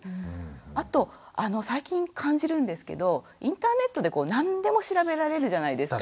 あと最近感じるんですけどインターネットで何でも調べられるじゃないですか。